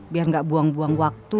biar gak buang buang waktu